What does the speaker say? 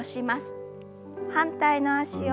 反対の脚を。